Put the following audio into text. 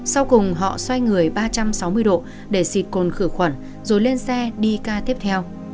sau cùng họ xoay người ba trăm sáu mươi độ để xịt cồn khử khuẩn rồi lên xe đi ca tiếp theo